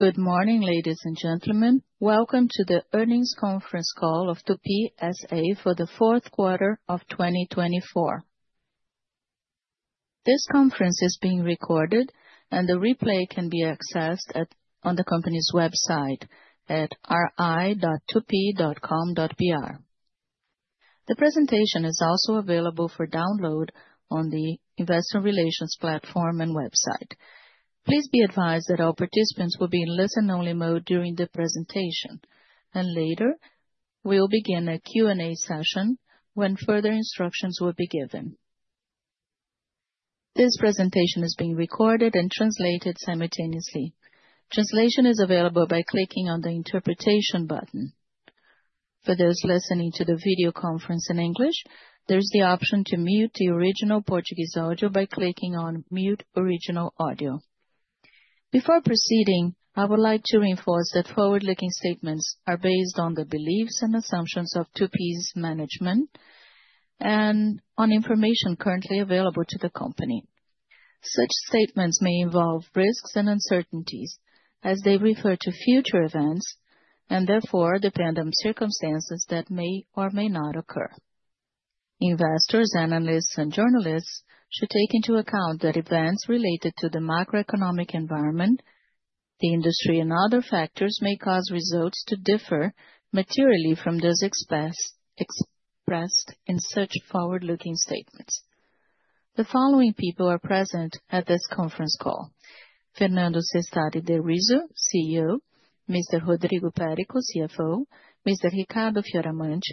Good morning, ladies and gentlemen. Welcome to the earnings conference call of Tupy S.A. for the fourth quarter of 2024. This conference is being recorded, and the replay can be accessed on the company's website at ri.tupy.com.br. The presentation is also available for download on the Investment Relations platform and website. Please be advised that all participants will be in listen-only mode during the presentation, and later we will begin a Q&A session when further instructions will be given. This presentation is being recorded and translated simultaneously. Translation is available by clicking on the interpretation button. For those listening to the video conference in English, there is the option to mute the original Portuguese audio by clicking on "Mute Original Audio." Before proceeding, I would like to reinforce that forward-looking statements are based on the beliefs and assumptions of Tupy's management and on information currently available to the company. Such statements may involve risks and uncertainties, as they refer to future events and therefore depend on circumstances that may or may not occur. Investors, analysts, and journalists should take into account that events related to the macroeconomic environment, the industry, and other factors may cause results to differ materially from those expressed in such forward-looking statements. The following people are present at this conference call: Fernando Cestari de Rizzo, CEO; Mr. Rodrigo Perico, CFO Mr. Ricardo Fioramonte,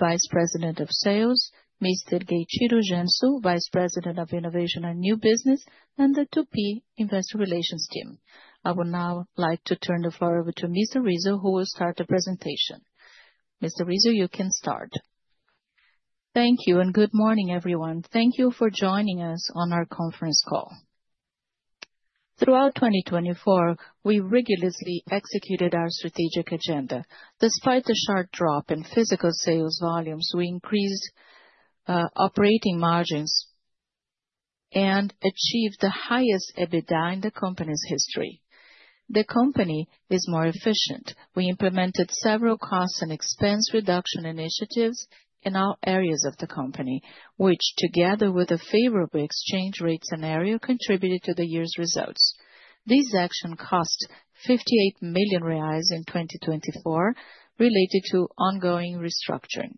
Vice President of Sales; Mr. Gueitiro Gensu, Vice President of Innovation and New Business; and the Tupy Investment Relations team. I would now like to turn the floor over to Mr. Rizzo, who will start the presentation. Mr. Rizzo, you can start. Thank you, and good morning, everyone. Thank you for joining us on our conference call. Throughout 2024, we rigorously executed our strategic agenda. Despite the sharp drop in physical sales volumes, we increased operating margins and achieved the highest EBITDA in the company's history. The company is more efficient. We implemented several cost and expense reduction initiatives in all areas of the company, which, together with a favorable exchange rate scenario, contributed to the year's results. These actions cost 58 million reais in 2024, related to ongoing restructuring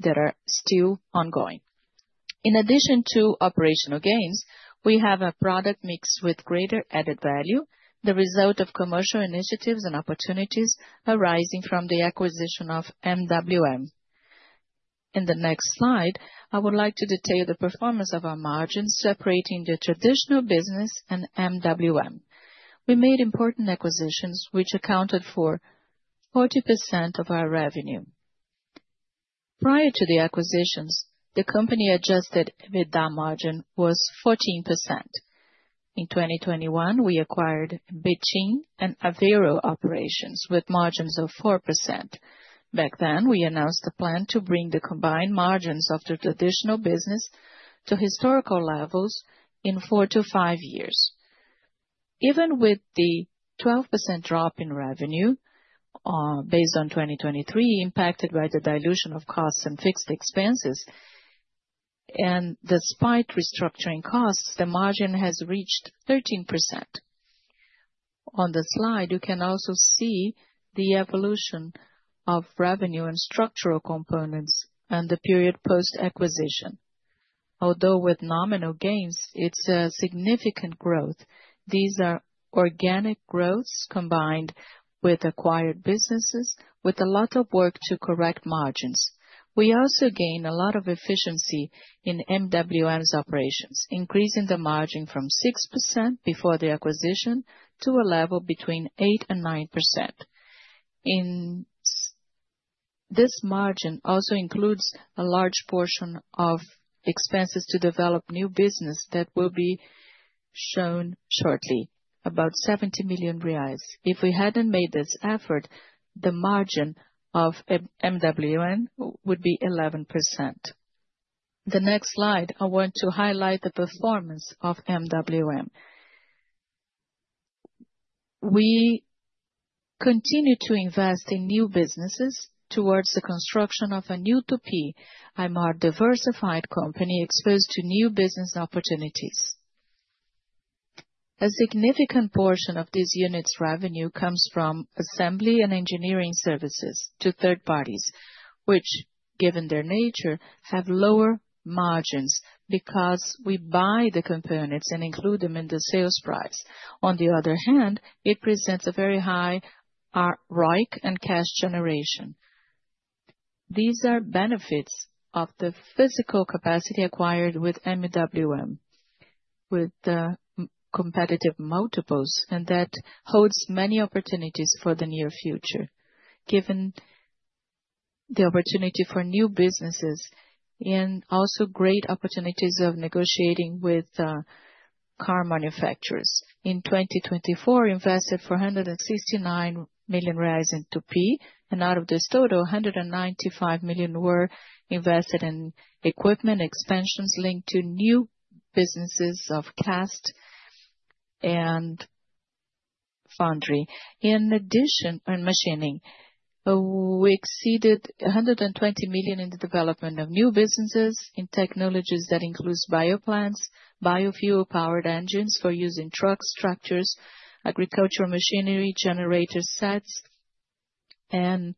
that are still ongoing. In addition to operational gains, we have a product mix with greater added value, the result of commercial initiatives and opportunities arising from the acquisition of MWM. In the next slide, I would like to detail the performance of our margins separating the traditional business and MWM. We made important acquisitions, which accounted for 40% of our revenue. Prior to the acquisitions, the company-adjusted EBITDA margin was 14%. In 2021, we acquired Betim and Aveiro Operations, with margins of 4%. Back then, we announced a plan to bring the combined margins of the traditional business to historical levels in four to five years. Even with the 12% drop in revenue based on 2023, impacted by the dilution of costs and fixed expenses, and despite restructuring costs, the margin has reached 13%. On the slide, you can also see the evolution of revenue and structural components and the period post-acquisition. Although with nominal gains, it is a significant growth. These are organic growths combined with acquired businesses, with a lot of work to correct margins. We also gained a lot of efficiency in MWM's operations, increasing the margin from 6% before the acquisition to a level between 8%-9%. This margin also includes a large portion of expenses to develop new business that will be shown shortly, about 70 million reais. If we hadn't made this effort, the margin of MWM would be 11%. The next slide, I want to highlight the performance of MWM. We continue to invest in new businesses towards the construction of a new Tupy, a more diversified company exposed to new business opportunities. A significant portion of this unit's revenue comes from assembly and engineering services to third parties, which, given their nature, have lower margins because we buy the components and include them in the sales price. On the other hand, it presents a very high ROIC and cash generation. These are benefits of the physical capacity acquired with MWM, with the competitive multiples, and that holds many opportunities for the near future, given the opportunity for new businesses and also great opportunities of negotiating with car manufacturers. In 2024, invested 469 million reais in Tupy, and out of this total, 195 million were invested in equipment expansions linked to new businesses of cast and foundry. In addition, machining, we exceeded 120 million in the development of new businesses in technologies that include bioplants, biofuel-powered engines for using truck structures, agricultural machinery, generator sets, and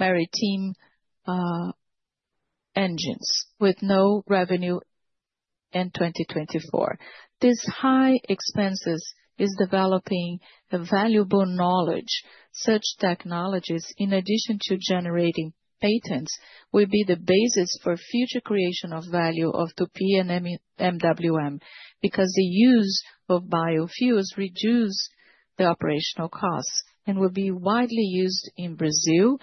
maritime engines, with no revenue in 2024. These high expenses are developing valuable knowledge. Such technologies, in addition to generating patents, will be the basis for future creation of value of Tupy and MWM because the use of biofuels reduces the operational costs and will be widely used in Brazil,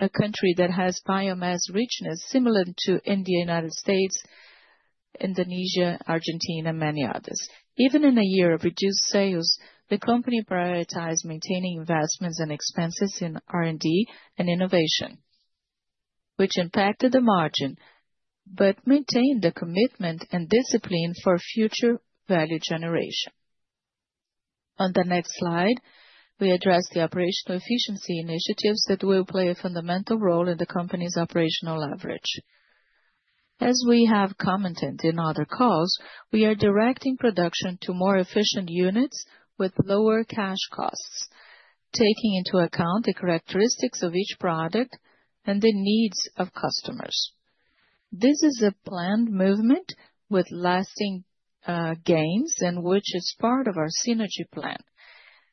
a country that has biomass richness similar to India, United States, Indonesia, Argentina, and many others. Even in a year of reduced sales, the company prioritized maintaining investments and expenses in R&D and innovation, which impacted the margin but maintained the commitment and discipline for future value generation. On the next slide, we address the operational efficiency initiatives that will play a fundamental role in the company's operational leverage. As we have commented in other calls, we are directing production to more efficient units with lower cash costs, taking into account the characteristics of each product and the needs of customers. This is a planned movement with lasting gains and which is part of our synergy plan,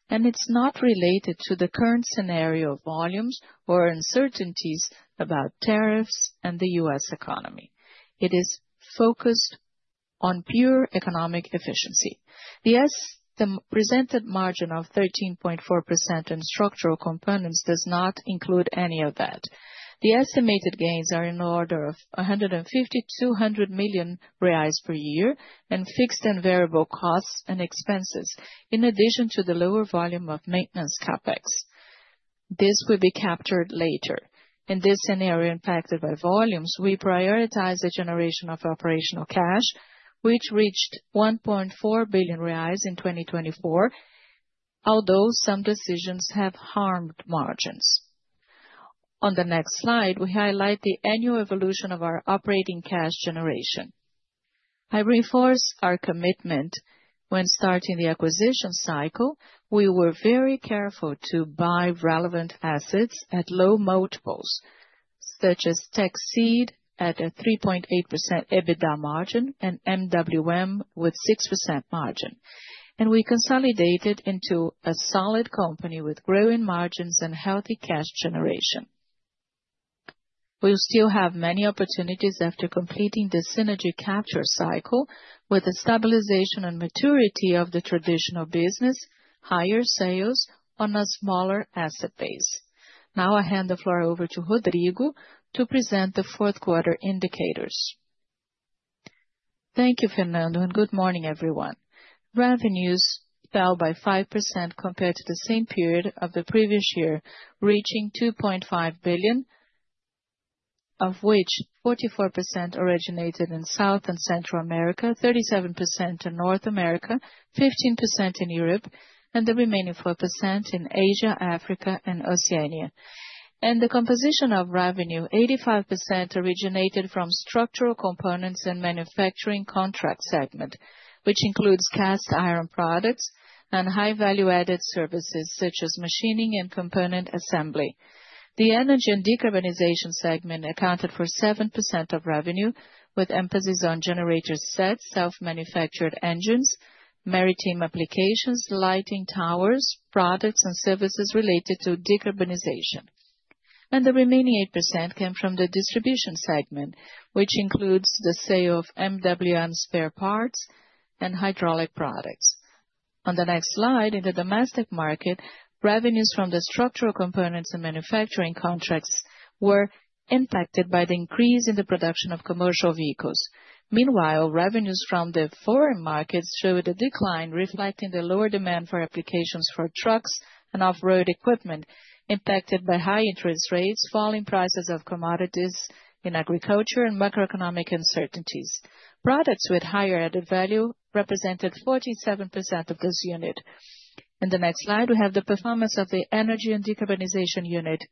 and it's not related to the current scenario of volumes or uncertainties about tariffs and the U.S. economy. It is focused on pure economic efficiency. The presented margin of 13.4% in structural components does not include any of that. The estimated gains are in the order of 150 million-200 million reais per year in fixed and variable costs and expenses, in addition to the lower volume of maintenance CAPEX. This will be captured later. In this scenario impacted by volumes, we prioritized the generation of operational cash, which reached 1.4 billion reais in 2024, although some decisions have harmed margins. On the next slide, we highlight the annual evolution of our operating cash generation. I reinforce our commitment when starting the acquisition cycle. We were very careful to buy relevant assets at low multiples, such as Teksid at a 3.8% EBITDA margin and MWM with 6% margin, and we consolidated into a solid company with growing margins and healthy cash generation. We'll still have many opportunities after completing the synergy capture cycle, with the stabilization and maturity of the traditional business, higher sales on a smaller asset base. Now I hand the floor over to Rodrigo to present the fourth quarter indicators. Thank you, Fernando, and good morning, everyone. Revenues fell by 5% compared to the same period of the previous year, reaching 2.5 billion, of which 44% originated in South and Central America, 37% in North America, 15% in Europe, and the remaining 4% in Asia, Africa, and Oceania. In the composition of revenue, 85% originated from structural components and manufacturing contract segment, which includes cast iron products and high-value-added services such as machining and component assembly. The energy and decarbonization segment accounted for 7% of revenue, with emphasis on generator sets, self-manufactured engines, maritime applications, lighting towers, products, and services related to decarbonization. The remaining 8% came from the distribution segment, which includes the sale of MWM spare parts and hydraulic products. On the next slide, in the domestic market, revenues from the structural components and manufacturing contracts were impacted by the increase in the production of commercial vehicles. Meanwhile, revenues from the foreign markets showed a decline, reflecting the lower demand for applications for trucks and off-road equipment, impacted by high interest rates, falling prices of commodities in agriculture, and macroeconomic uncertainties. Products with higher added value represented 47% of this unit. In the next slide, we have the performance of the energy and decarbonization unit,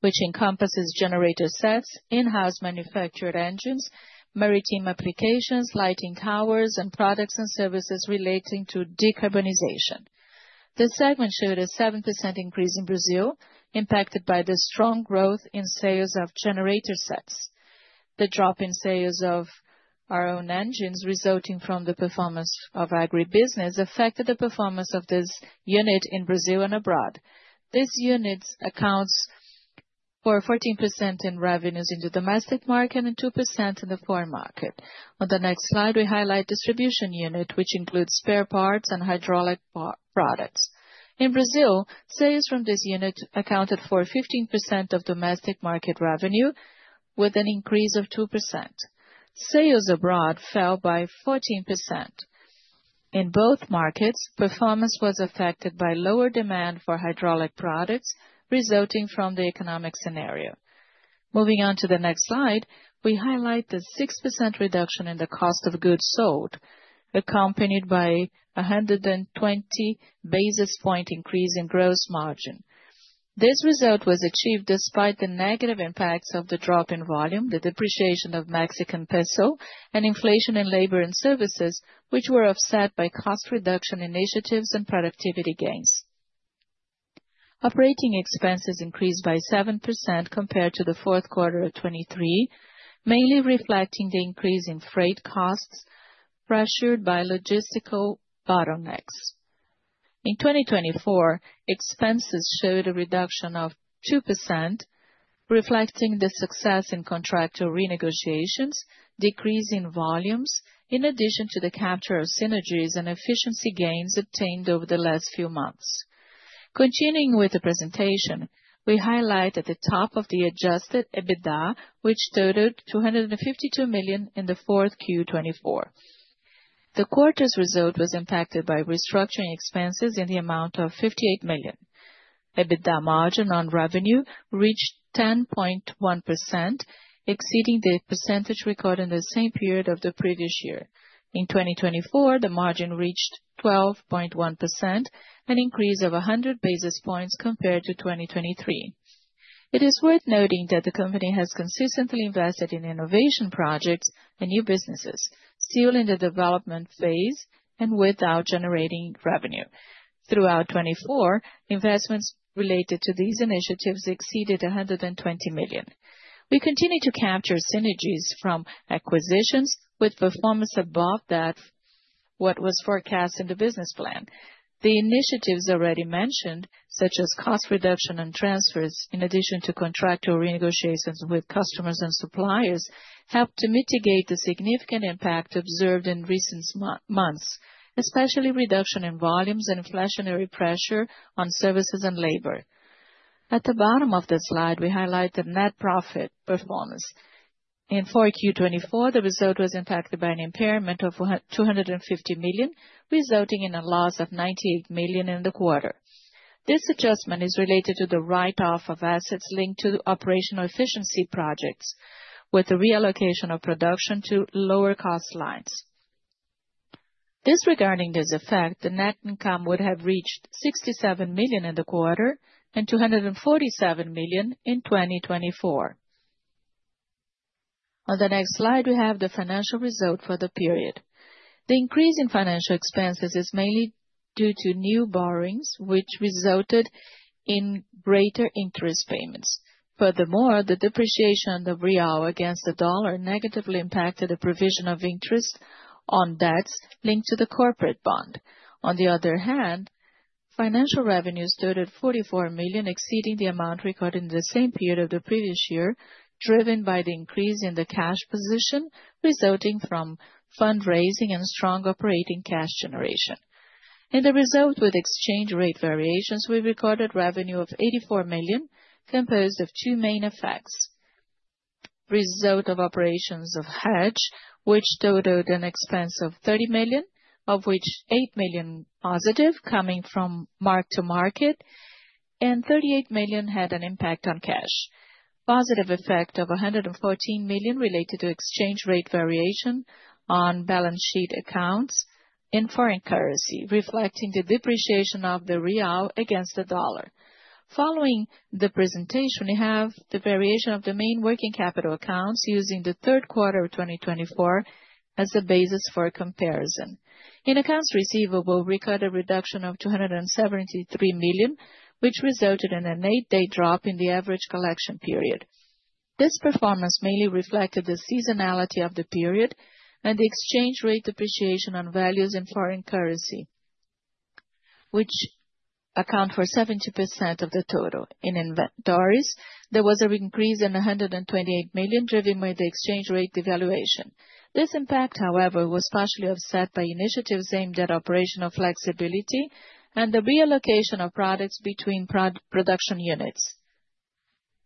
which encompasses generator sets, in-house manufactured engines, maritime applications, lighting towers, and products and services relating to decarbonization. The segment showed a 7% increase in Brazil, impacted by the strong growth in sales of generator sets. The drop in sales of our own engines, resulting from the performance of agribusiness, affected the performance of this unit in Brazil and abroad. This unit accounts for 14% in revenues in the domestic market and 2% in the foreign market. On the next slide, we highlight the distribution unit, which includes spare parts and hydraulic products. In Brazil, sales from this unit accounted for 15% of domestic market revenue, with an increase of 2%. Sales abroad fell by 14%. In both markets, performance was affected by lower demand for hydraulic products, resulting from the economic scenario. Moving on to the next slide, we highlight the 6% reduction in the cost of goods sold, accompanied by a 120 basis point increase in gross margin. This result was achieved despite the negative impacts of the drop in volume, the depreciation of Mexican peso, and inflation in labor and services, which were offset by cost reduction initiatives and productivity gains. Operating expenses increased by 7% compared to the fourth quarter of 2023, mainly reflecting the increase in freight costs pressured by logistical bottlenecks. In 2024, expenses showed a reduction of 2%, reflecting the success in contractual renegotiations, decrease in volumes, in addition to the capture of synergies and efficiency gains obtained over the last few months. Continuing with the presentation, we highlight at the top of the adjusted EBITDA, which totaled 252 million in the fourth quarter of 2024. The quarter's result was impacted by restructuring expenses in the amount of 58 million. EBITDA margin on revenue reached 10.1%, exceeding the percentage recorded in the same period of the previous year. In 2024, the margin reached 12.1%, an increase of 100 basis points compared to 2023. It is worth noting that the company has consistently invested in innovation projects and new businesses, still in the development phase and without generating revenue. Throughout 2024, investments related to these initiatives exceeded 120 million. We continue to capture synergies from acquisitions, with performance above that of what was forecast in the business plan. The initiatives already mentioned, such as cost reduction and transfers, in addition to contractual renegotiations with customers and suppliers, help to mitigate the significant impact observed in recent months, especially reduction in volumes and inflationary pressure on services and labor. At the bottom of the slide, we highlight the net profit performance. In Q4 2024, the result was impacted by an impairment of 250 million, resulting in a loss of 98 million in the quarter. This adjustment is related to the write-off of assets linked to operational efficiency projects, with the reallocation of production to lower cost lines. Disregarding this effect, the net income would have reached 67 million in the quarter and 247 million in 2024. On the next slide, we have the financial result for the period. The increase in financial expenses is mainly due to new borrowings, which resulted in greater interest payments. Furthermore, the depreciation of the real against the dollar negatively impacted the provision of interest on debts linked to the corporate bond. On the other hand, financial revenues totaled 44 million, exceeding the amount recorded in the same period of the previous year, driven by the increase in the cash position resulting from fundraising and strong operating cash generation. In the result with exchange rate variations, we recorded revenue of 84 million, composed of two main effects: result of operations of hedge, which totaled an expense of 30 million, of which 8 million positive coming from mark-to-market, and 38 million had an impact on cash. Positive effect of 114 million related to exchange rate variation on balance sheet accounts in foreign currency, reflecting the depreciation of the real against the dollar. Following the presentation, we have the variation of the main working capital accounts using the third quarter of 2024 as a basis for comparison. In accounts receivable, we recorded a reduction of 273 million, which resulted in an eight-day drop in the average collection period. This performance mainly reflected the seasonality of the period and the exchange rate depreciation on values in foreign currency, which account for 70% of the total. In inventories, there was an increase in 128 million, driven by the exchange rate devaluation. This impact, however, was partially offset by initiatives aimed at operational flexibility and the reallocation of products between production units.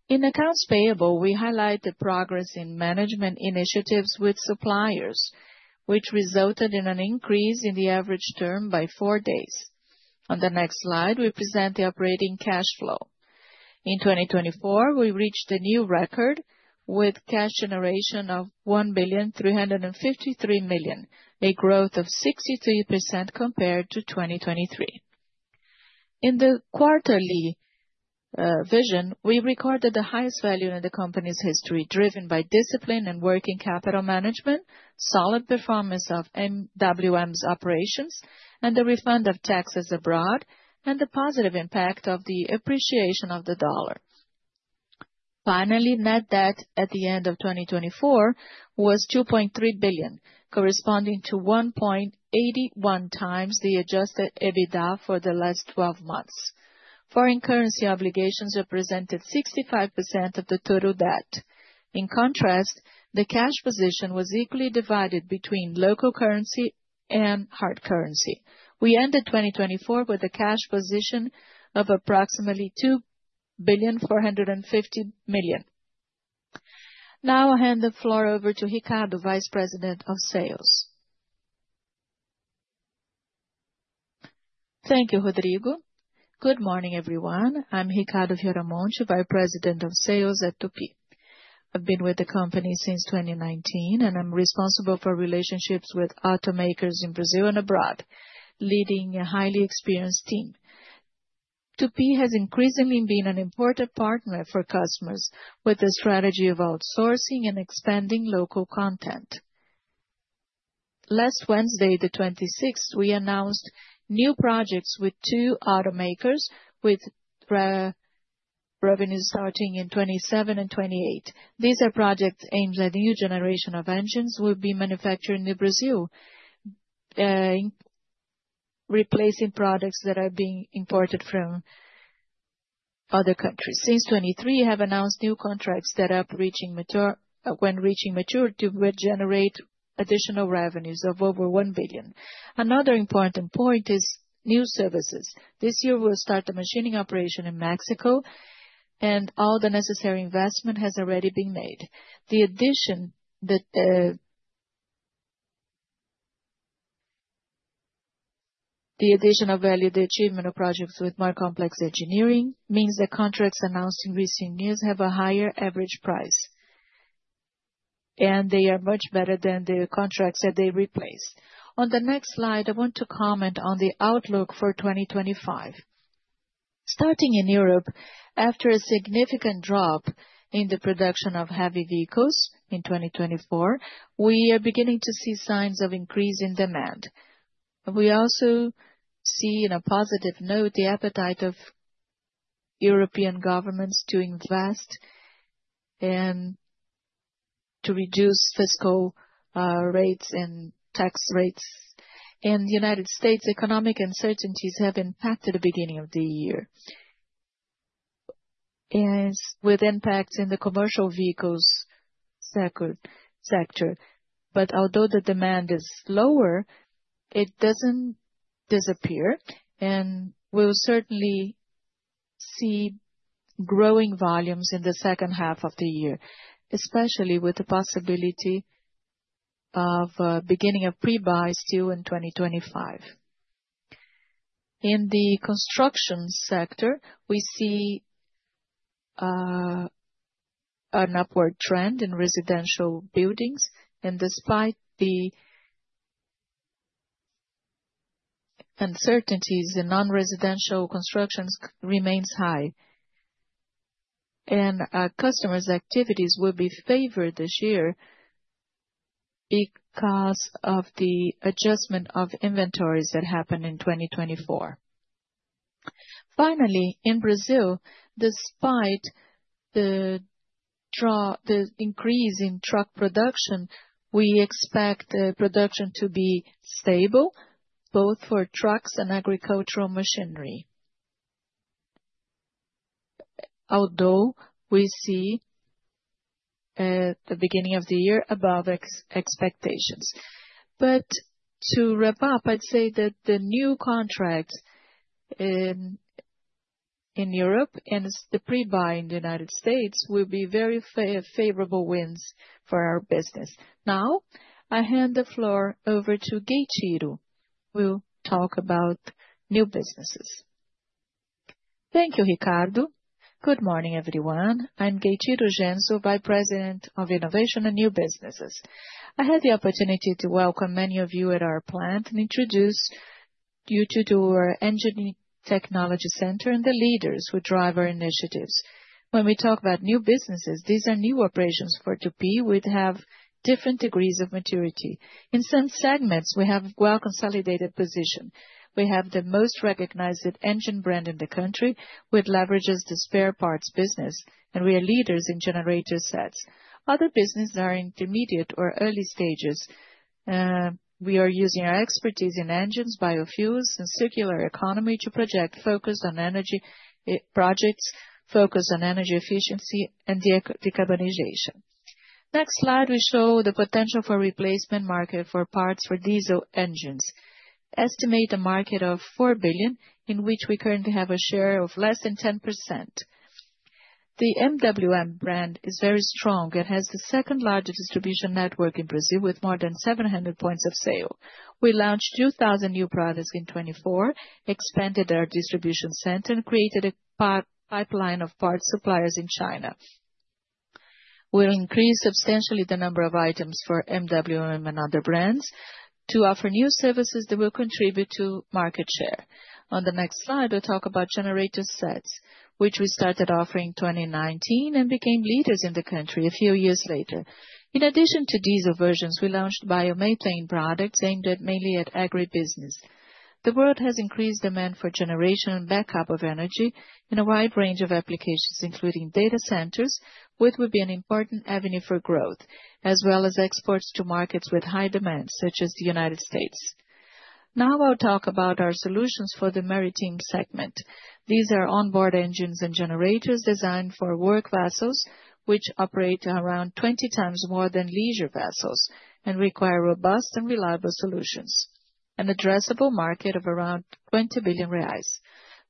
In accounts payable, we highlight the progress in management initiatives with suppliers, which resulted in an increase in the average term by four days. On the next slide, we present the operating cash flow. In 2024, we reached a new record with cash generation of 1.353 billion, a growth of 63% compared to 2023. In the quarterly vision, we recorded the highest value in the company's history, driven by discipline and working capital management, solid performance of MWM's operations, and the refund of taxes abroad, and the positive impact of the appreciation of the dollar. Finally, net debt at the end of 2024 was 2.3 billion, corresponding to 1.81 times the adjusted EBITDA for the last 12 months. Foreign currency obligations represented 65% of the total debt. In contrast, the cash position was equally divided between local currency and hard currency. We ended 2024 with a cash position of approximately 2.450 million. Now I hand the floor over to Ricardo, Vice President of Sales. Thank you, Rodrigo. Good morning, everyone. I'm Ricardo Fioramonte, Vice President of Sales at Tupy. I've been with the company since 2019, and I'm responsible for relationships with automakers in Brazil and abroad, leading a highly experienced team. Tupy has increasingly been an important partner for customers, with a strategy of outsourcing and expanding local content. Last Wednesday, the 26th, we announced new projects with two automakers, with revenues starting in 2027 and 2028. These are projects aimed at a new generation of engines that will be manufactured in Brazil, replacing products that are being imported from other countries. Since 2023, we have announced new contracts that, when reaching maturity, will generate additional revenues of over 1 billion. Another important point is new services. This year, we will start the machining operation in Mexico, and all the necessary investment has already been made. The addition of value to the achievement of projects with more complex engineering means that contracts announced in recent years have a higher average price, and they are much better than the contracts that they replaced. On the next slide, I want to comment on the outlook for 2025. Starting in Europe, after a significant drop in the production of heavy vehicles in 2024, we are beginning to see signs of increasing demand. We also see, on a positive note, the appetite of European governments to invest and to reduce fiscal rates and tax rates. In the United States, economic uncertainties have impacted the beginning of the year, with impacts in the commercial vehicles sector. Although the demand is lower, it does not disappear, and we will certainly see growing volumes in the second half of the year, especially with the possibility of beginning of pre-buys still in 2025. In the construction sector, we see an upward trend in residential buildings, and despite the uncertainties, the non-residential construction remains high. Customers' activities will be favored this year because of the adjustment of inventories that happened in 2024. Finally, in Brazil, despite the increase in truck production, we expect the production to be stable, both for trucks and agricultural machinery, although we see at the beginning of the year above expectations. To wrap up, I would say that the new contracts in Europe and the pre-buy in the United States will be very favorable wins for our business. Now I hand the floor over to Gueitiro, who will talk about new businesses. Thank you, Ricardo. Good morning, everyone. I'm Gueitiro Gensu, Vice President of Innovation and New Businesses. I had the opportunity to welcome many of you at our plant and introduce you to our Engineering Technology Center and the leaders who drive our initiatives. When we talk about new businesses, these are new operations for Tupy with different degrees of maturity. In some segments, we have a well-consolidated position. We have the most recognized engine brand in the country, which leverages the spare parts business, and we are leaders in generator sets. Other businesses are in intermediate or early stages. We are using our expertise in engines, biofuels, and circular economy to project focused on energy projects, focused on energy efficiency, and decarbonization. Next slide, we show the potential for replacement market for parts for diesel engines. Estimate a market of 4 billion, in which we currently have a share of less than 10%. The MWM brand is very strong and has the second largest distribution network in Brazil, with more than 700 points of sale. We launched 2,000 new products in 2024, expanded our distribution center, and created a pipeline of parts suppliers in China. We'll increase substantially the number of items for MWM and other brands to offer new services that will contribute to market share. On the next slide, we'll talk about generator sets, which we started offering in 2019 and became leaders in the country a few years later. In addition to diesel versions, we launched biomethane products aimed mainly at agribusiness. The world has increased demand for generation and backup of energy in a wide range of applications, including data centers, which will be an important avenue for growth, as well as exports to markets with high demand, such as the United States. Now I'll talk about our solutions for the maritime segment. These are onboard engines and generators designed for work vessels, which operate around 20 times more than leisure vessels and require robust and reliable solutions, and address a full market of around 20 billion reais.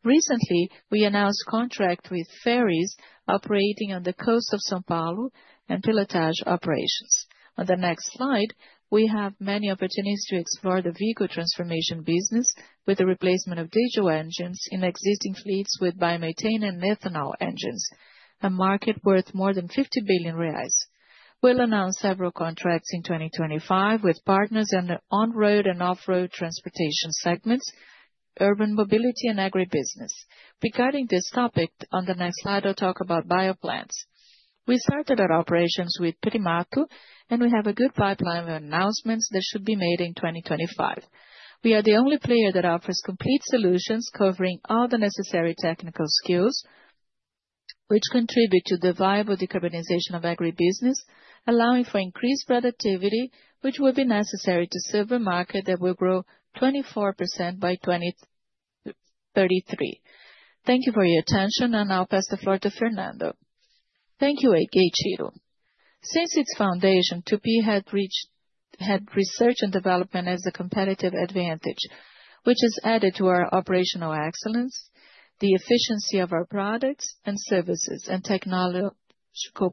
Recently, we announced a contract with ferries operating on the coast of São Paulo and pilotage operations. On the next slide, we have many opportunities to explore the vehicle transformation business with the replacement of diesel engines in existing fleets with biomethane and ethanol engines, a market worth more than 50 billion reais. We'll announce several contracts in 2025 with partners in the on-road and off-road transportation segments, urban mobility, and agribusiness. Regarding this topic, on the next slide, I'll talk about bioplants. We started our operations with Primato, and we have a good pipeline of announcements that should be made in 2025. We are the only player that offers complete solutions covering all the necessary technical skills, which contribute to the viable decarbonization of agribusiness, allowing for increased productivity, which will be necessary to serve a market that will grow 24% by 2033. Thank you for your attention, and I'll pass the floor to Fernando. Thank you, Gueitiro. Since its foundation, Tupy had research and development as a competitive advantage, which has added to our operational excellence, the efficiency of our products and services, and technological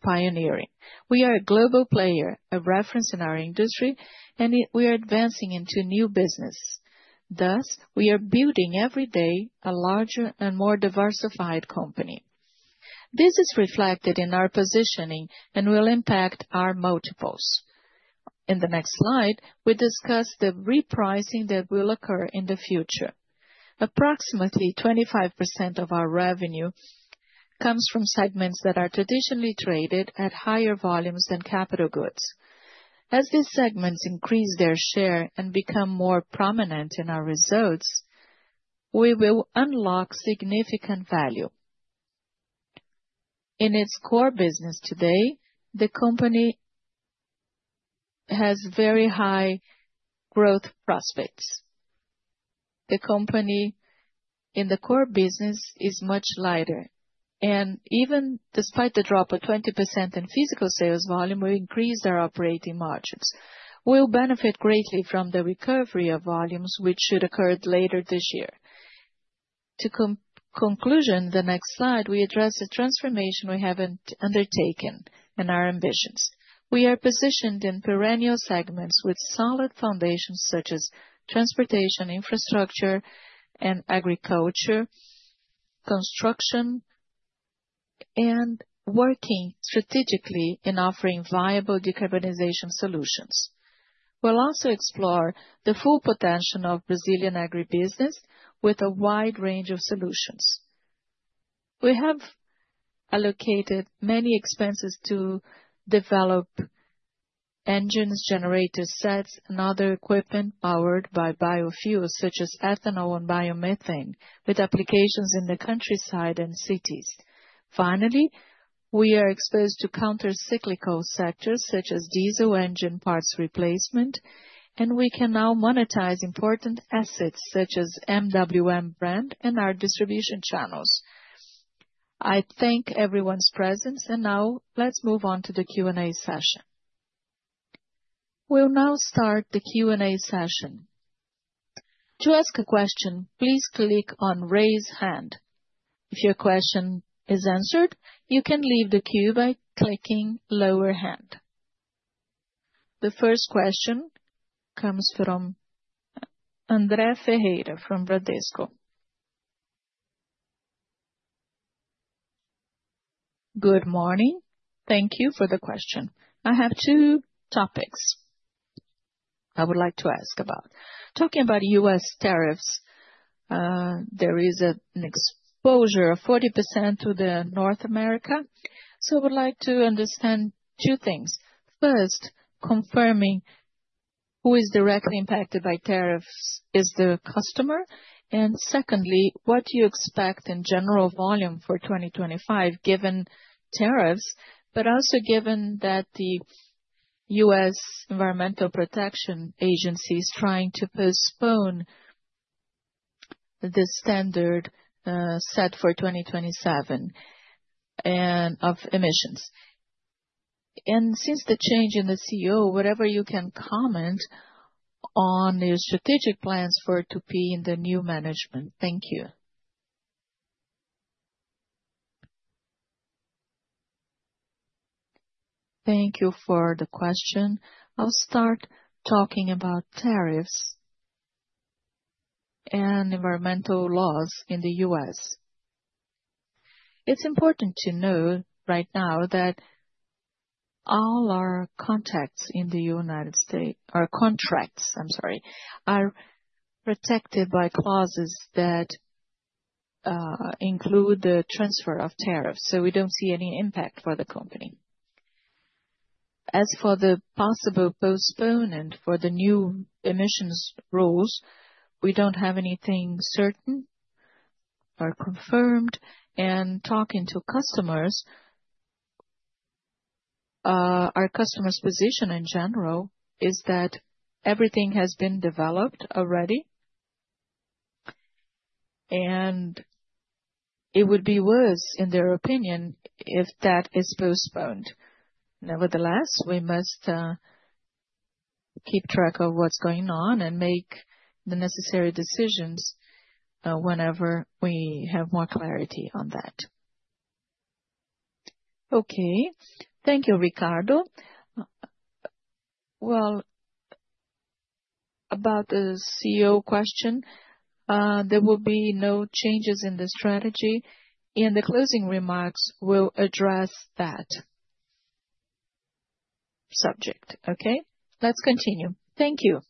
pioneering. We are a global player, a reference in our industry, and we are advancing into new business. Thus, we are building every day a larger and more diversified company. This is reflected in our positioning and will impact our multiples. In the next slide, we discuss the repricing that will occur in the future. Approximately 25% of our revenue comes from segments that are traditionally traded at higher volumes than capital goods. As these segments increase their share and become more prominent in our results, we will unlock significant value. In its core business today, the company has very high growth prospects. The company in the core business is much lighter, and even despite the drop of 20% in physical sales volume, we increased our operating margins. We will benefit greatly from the recovery of volumes, which should occur later this year. To conclude, the next slide, we address the transformation we have undertaken and our ambitions. We are positioned in perennial segments with solid foundations such as transportation, infrastructure, and agriculture, construction, and working strategically in offering viable decarbonization solutions. We will also explore the full potential of Brazilian agribusiness with a wide range of solutions. We have allocated many expenses to develop engines, generator sets, and other equipment powered by biofuels, such as ethanol and biomethane, with applications in the countryside and cities. Finally, we are exposed to countercyclical sectors such as diesel engine parts replacement, and we can now monetize important assets such as MWM brand and our distribution channels. I thank everyone's presence, and now let's move on to the Q&A session. We'll now start the Q&A session. To ask a question, please click on "Raise Hand." If your question is answered, you can leave the queue by clicking "Lower Hand." The first question comes from André Ferreira from Bradesco. Good morning. Thank you for the question. I have two topics I would like to ask about. Talking about U.S. tariffs, there is an set for 2027 of emissions. Since the change in the CEO, whatever you can comment on your strategic plans for Tupy in the new management. Thank you. Thank you for the question. I'll start talking about tariffs and environmental laws in the U.S. It's important to know right now that all our contracts in the United States are protected by clauses that include the transfer of tariffs. We don't see any impact for the company. As for the possible postponement for the new emissions rules, we don't have anything certain or confirmed. Talking to customers, our customer's position in general is that everything has been developed already, and it would be worse, in their opinion, if that is postponed. Nevertheless, we must keep track of what's going on and make the necessary decisions whenever we have more clarity on that. Thank you, Ricardo. About the CEO question, there will be no changes in the strategy. In the closing remarks, we'll address that subject. Let's continue. Thank you.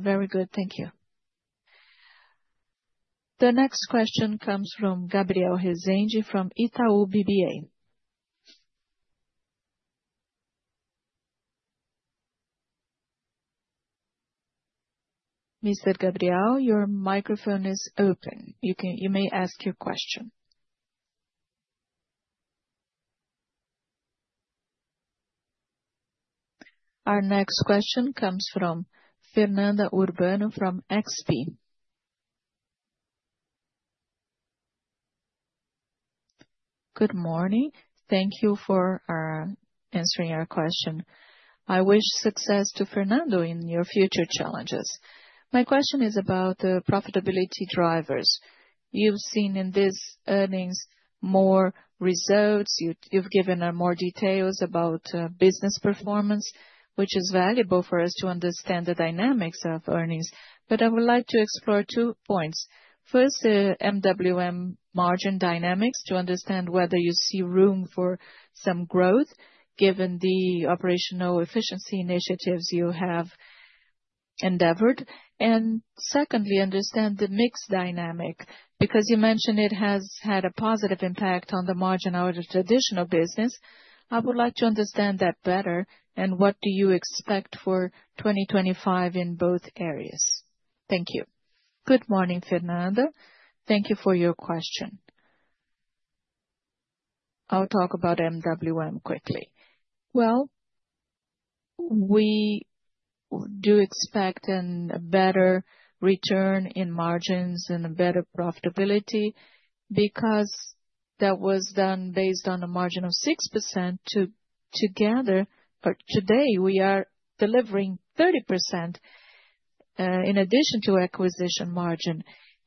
Very good. Thank you. The next question comes from Gabriel Rezende from Itaú BBA. Mr. Gabriel, your microphone is open. You may ask your question. Our next question comes from Fernanda Urbano from XP. Good morning. Thank you for answering our question. I wish success to Fernando in your future challenges. My question is about the profitability drivers. You've seen in these earnings more results. You've given more details about business performance, which is valuable for us to understand the dynamics of earnings. I would like to explore two points. First, the MWM margin dynamics to understand whether you see room for some growth given the operational efficiency initiatives you have endeavored. Secondly, understand the mix dynamic because you mentioned it has had a positive impact on the margin of the traditional business. I would like to understand that better. What do you expect for 2025 in both areas? Thank you. Good morning, Fernanda. Thank you for your question. I'll talk about MWM quickly. We do expect a better return in margins and a better profitability because that was done based on a margin of 6% together. Today, we are delivering 30% in addition to acquisition margin.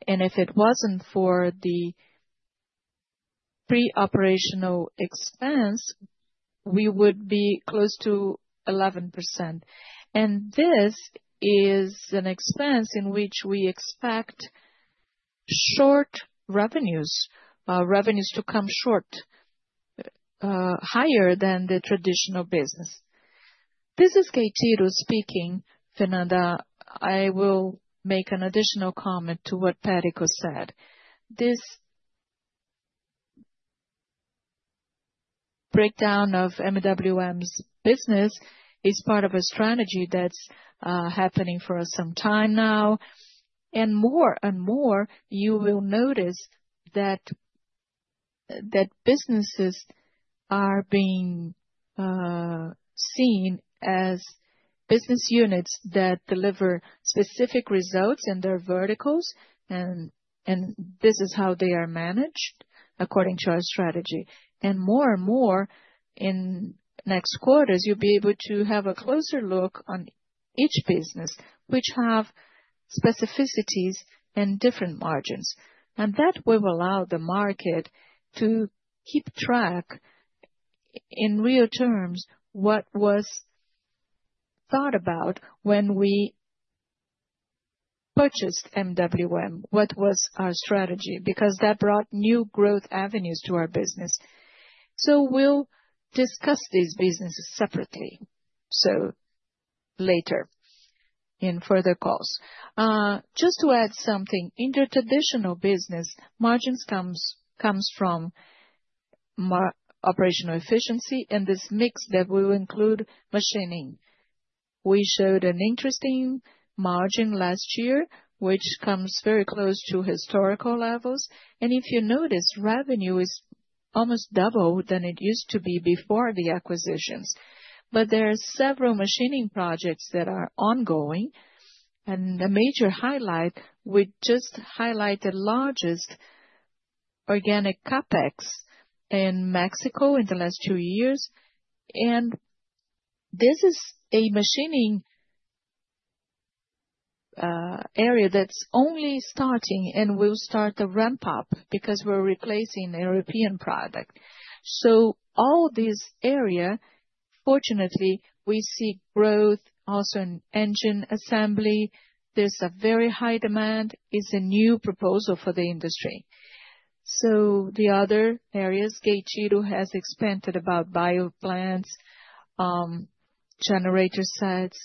If it wasn't for the pre-operational expense, we would be close to 11%. This is an expense in which we expect revenues to come short, higher than the traditional business. This is Gueitiro speaking, Fernanda. I will make an additional comment to what Perico said. This breakdown of MWM's business is part of a strategy that's happening for some time now. More and more, you will notice that businesses are being seen as business units that deliver specific results in their verticals, and this is how they are managed according to our strategy. More and more, in next quarters, you'll be able to have a closer look on each business, which has specificities and different margins. That will allow the market to keep track in real terms what was thought about when we purchased MWM, what was our strategy, because that brought new growth avenues to our business. We will discuss these businesses separately later in further calls. Just to add something, in the traditional business, margins come from operational efficiency, and this mix that will include machining. We showed an interesting margin last year, which comes very close to historical levels. If you notice, revenue is almost double than it used to be before the acquisitions. There are several machining projects that are ongoing. A major highlight, we just highlighted the largest organic CAPEX in Mexico in the last two years. This is a machining area that is only starting and will start the ramp-up because we are replacing a European product. All these areas, fortunately, we see growth also in engine assembly. There is a very high demand. It is a new proposal for the industry. The other areas, Gueitiro has expanded about bioplants, generator sets.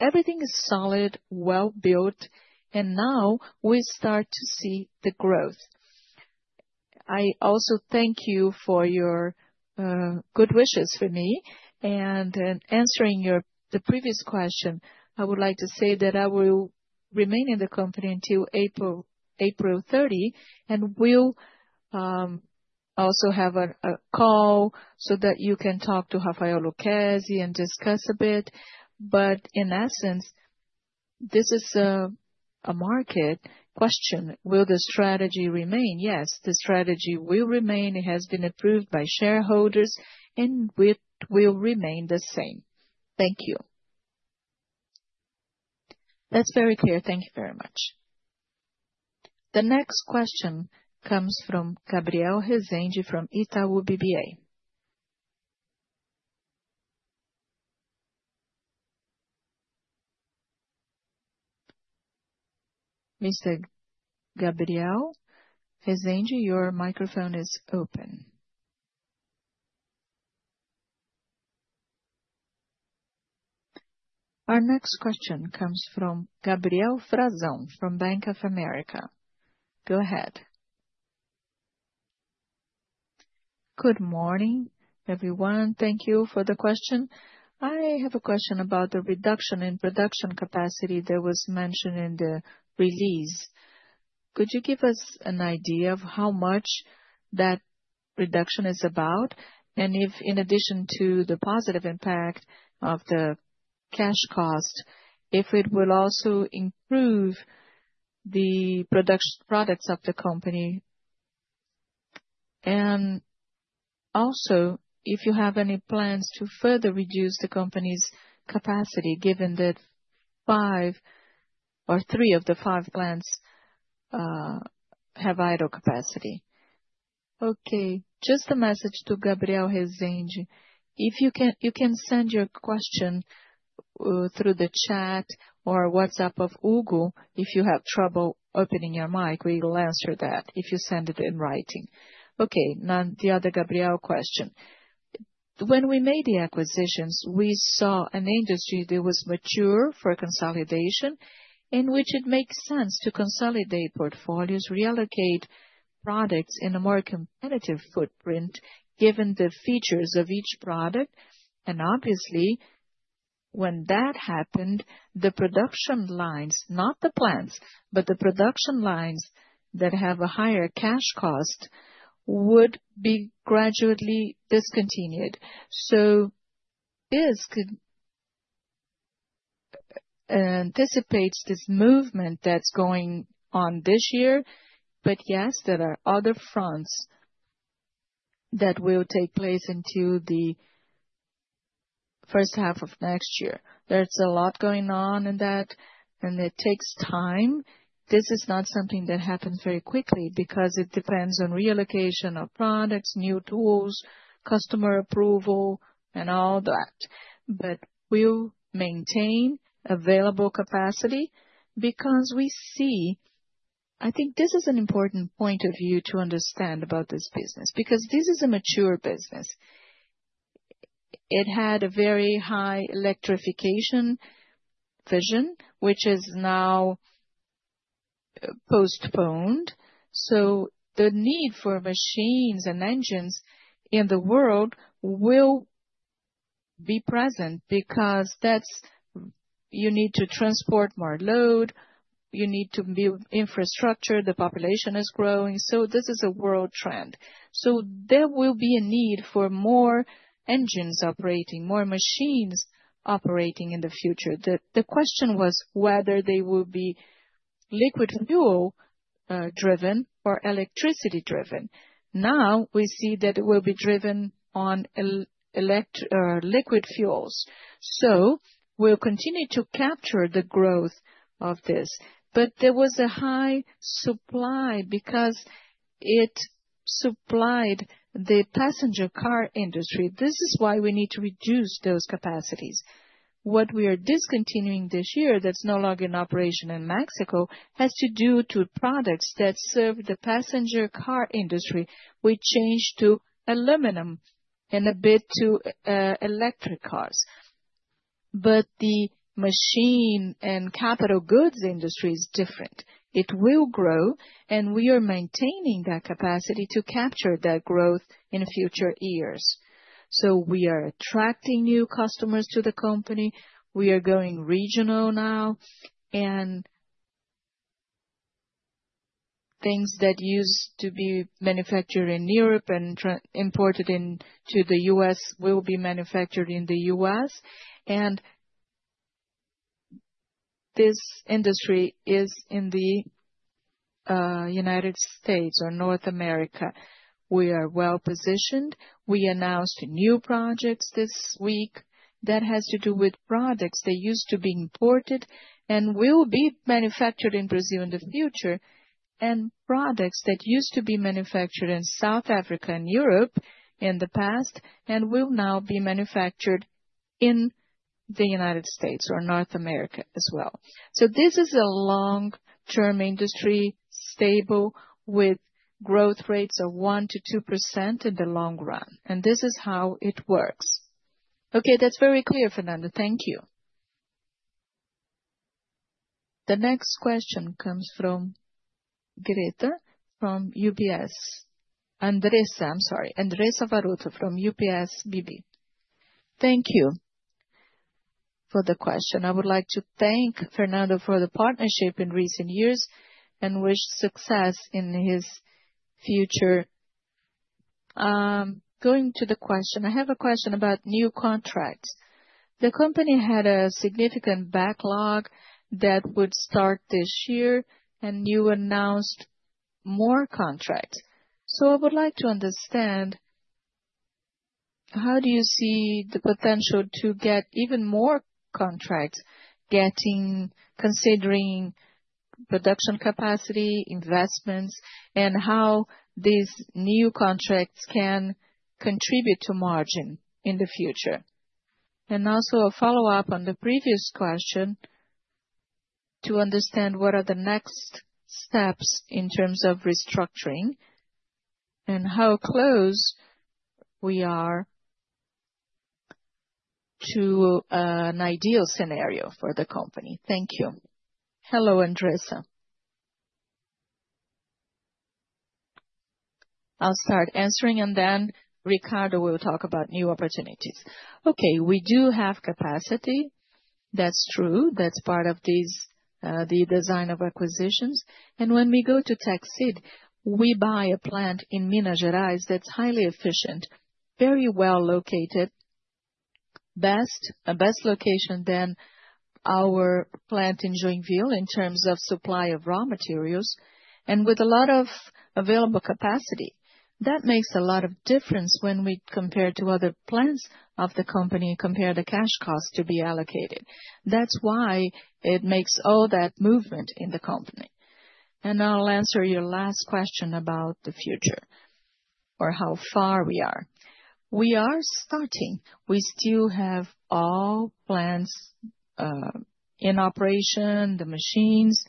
Everything is solid, well-built, and now we start to see the growth. I also thank you for your good wishes for me. In answering the previous question, I would like to say that I will remain in the company until April 30, and we'll also have a call so that you can talk to Rafael Lucchesi and discuss a bit. In essence, this is a market question. Will the strategy remain? Yes, the strategy will remain. It has been approved by shareholders, and it will remain the same. Thank you. That's very clear. Thank you very much. The next question comes from Gabriel Rezende from Itaú BBA. Mr. Gabriel Rezende, your microphone is open. Our next question comes Gabriel Frazâo from Bank of America. Go ahead. Good morning, everyone. Thank you for the question. I have a question about the reduction in production capacity that was mentioned in the release. Could you give us an idea of how much that reduction is about? If, in addition to the positive impact of the cash cost, it will also improve the production products of the company. Also, if you have any plans to further reduce the company's capacity, given that three of the five plants have idle capacity. Okay. Just a message to Gabriel Rezende. If you can send your question through the chat or WhatsApp of Hugo, if you have trouble opening your mic, we will answer that if you send it in writing. Okay. The other Gabriel question. When we made the acquisitions, we saw an industry that was mature for consolidation, in which it makes sense to consolidate portfolios, reallocate products in a more competitive footprint, given the features of each product. Obviously, when that happened, the production lines, not the plants, but the production lines that have a higher cash cost would be gradually discontinued. This anticipates this movement that's going on this year. Yes, there are other fronts that will take place into the first half of next year. There's a lot going on in that, and it takes time. This is not something that happens very quickly because it depends on reallocation of products, new tools, customer approval, and all that. We'll maintain available capacity because we see I think this is an important point of view to understand about this business because this is a mature business. It had a very high electrification vision, which is now postponed. The need for machines and engines in the world will be present because you need to transport more load. You need to build infrastructure. The population is growing. This is a world trend. There will be a need for more engines operating, more machines operating in the future. The question was whether they will be liquid fuel-driven or electricity-driven. Now we see that it will be driven on liquid fuels. We will continue to capture the growth of this. There was a high supply because it supplied the passenger car industry. This is why we need to reduce those capacities. What we are discontinuing this year that is no longer in operation in Mexico has to do with products that serve the passenger car industry. We changed to aluminum and a bit to electric cars. The machine and capital goods industry is different. It will grow, and we are maintaining that capacity to capture that growth in future years. We are attracting new customers to the company. We are going regional now. Things that used to be manufactured in Europe and imported into the U.S. will be manufactured in the U.S. This industry is in the United States or North America. We are well-positioned. We announced new projects this week that have to do with products that used to be imported and will be manufactured in Brazil in the future, and products that used to be manufactured in South Africa and Europe in the past and will now be manufactured in the United States or North America as well. This is a long-term industry, stable, with growth rates of 1-2% in the long run. This is how it works. Okay. That is very clear, Fernanda. Thank you. The next question comes Andressa Varotto from UBS BB. Thank you for the question. I would like to thank Fernando for the partnership in recent years and wish success in his future. Going to the question, I have a question about new contracts. The company had a significant backlog that would start this year, and you announced more contracts. I would like to understand how you see the potential to get even more contracts considering production capacity, investments, and how these new contracts can contribute to margin in the future. Also, a follow-up on the previous question to understand what are the next steps in terms of restructuring and how close we are to an ideal scenario for the company. Thank you. Hello, Andresa. I'll start answering, and then Ricardo will talk about new opportunities. Okay. We do have capacity. That's true. That's part of the design of acquisitions. When we go to Teksid, we buy a plant in Minas Gerais that's highly efficient, very well located, a better location than our plant in Joinville in terms of supply of raw materials and with a lot of available capacity. That makes a lot of difference when we compare to other plants of the company and compare the cash cost to be allocated. That is why it makes all that movement in the company. I'll answer your last question about the future or how far we are. We are starting. We still have all plants in operation, the machines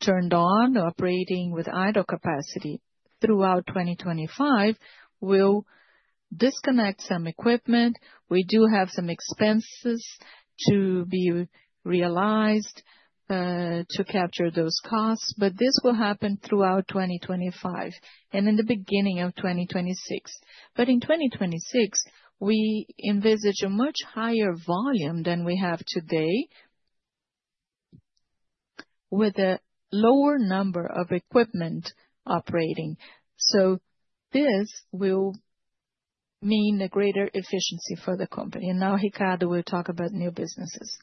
turned on, operating with idle capacity. Throughout 2025, we'll disconnect some equipment. We do have some expenses to be realized to capture those costs, but this will happen throughout 2025 and in the beginning of 2026. In 2026, we envisage a much higher volume than we have today with a lower number of equipment operating. This will mean a greater efficiency for the company. Now, Ricardo will talk about new businesses.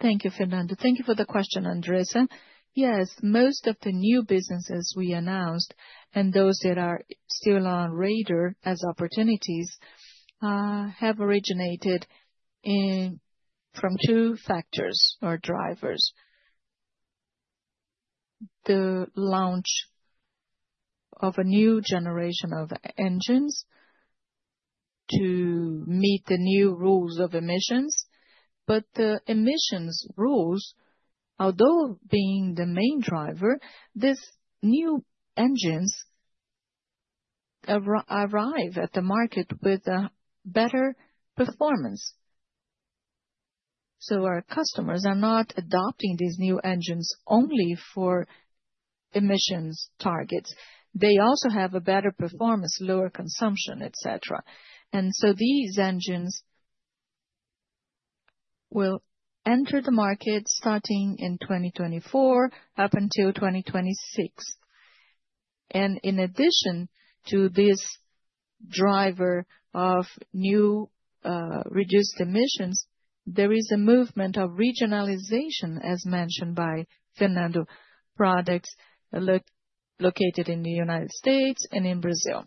Thank you, Fernando. Thank you for the question, Andresa. Yes, most of the new businesses we announced and those that are still on radar as opportunities have originated from two factors or drivers: the launch of a new generation of engines to meet the new rules of emissions. The emissions rules, although being the main driver, these new engines arrive at the market with better performance. Our customers are not adopting these new engines only for emissions targets. They also have a better performance, lower consumption, etc. These engines will enter the market starting in 2024 up until 2026. In addition to this driver of new reduced emissions, there is a movement of regionalization, as mentioned by Fernando. Products located in the United States and in Brazil.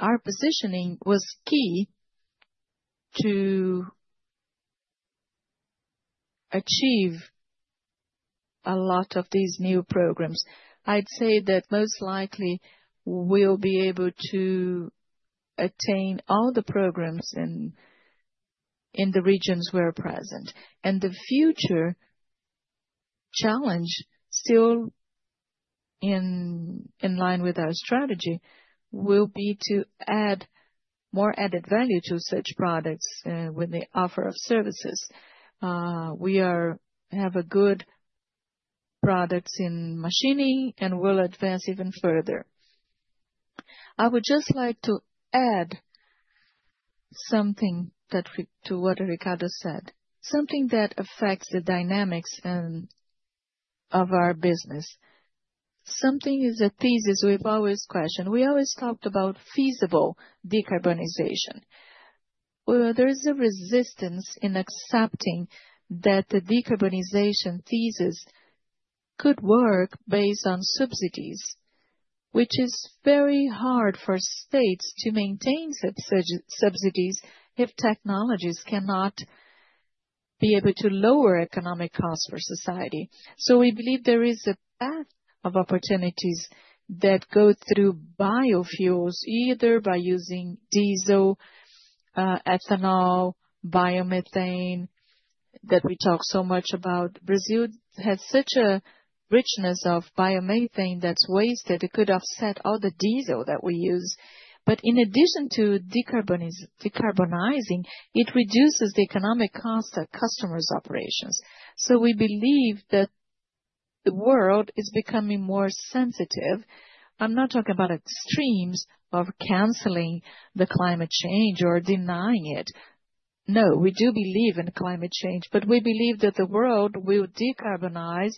Our positioning was key to achieve a lot of these new programs. I'd say that most likely we'll be able to attain all the programs in the regions we're present. The future challenge, still in line with our strategy, will be to add more added value to such products with the offer of services. We have good products in machining and will advance even further. I would just like to add something to what Ricardo said, something that affects the dynamics of our business. Something is a thesis we've always questioned. We always talked about feasible decarbonization. There is a resistance in accepting that the decarbonization thesis could work based on subsidies, which is very hard for states to maintain subsidies if technologies cannot be able to lower economic costs for society. We believe there is a path of opportunities that go through biofuels, either by using diesel, ethanol, biomethane that we talk so much about. Brazil has such a richness of biomethane that's wasted. It could offset all the diesel that we use. In addition to decarbonizing, it reduces the economic cost of customers' operations. We believe that the world is becoming more sensitive. I'm not talking about extremes of canceling the climate change or denying it. No, we do believe in climate change, but we believe that the world will decarbonize